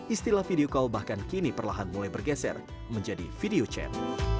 istilah video call bahkan kini perlahan mulai bergeser menjadi video chat